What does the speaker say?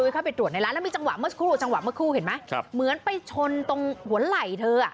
คู่รูปจังหวะเมื่อคู่เห็นไหมเหมือนไปชนตรงหัวไหลเธอ